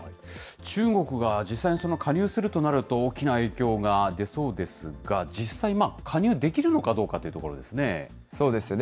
中国が実際に加入するとなると、大きな影響が出そうですが、実際、加入できるのかどうかというところですね。